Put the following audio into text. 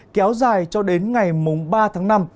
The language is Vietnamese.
kéo dài cho đến ngày mùng ba tháng năm